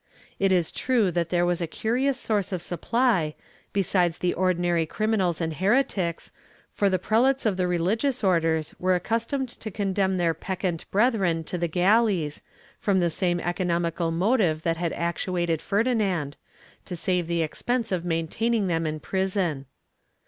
^ It is true that there was a curious source of supply, besides the ordinary criminals and heretics, for the prelates of the religious Orders were accustomed to condemn their peccant brethren to the galleys, from the same economical motive that had actuated Ferdinand — to save the expense of main taining them in prison.'